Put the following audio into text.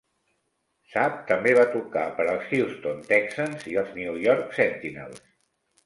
Sapp també va tocar per als Houston Texans i els New York Sentinels.